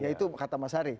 ya itu kata mas ari